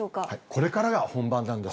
これからが本番なんです。